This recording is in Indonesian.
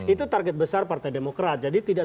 itu target besar partai demokrat jadi tidak